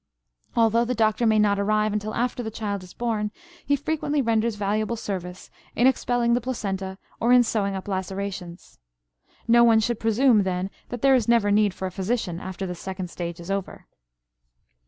Although the doctor may not arrive until after the child is born, he frequently renders valuable service in expelling the placenta or in sewing up lacerations. No one should presume then that there is never need for a physician after the second stage is over.